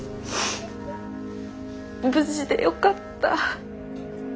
無事でよかった。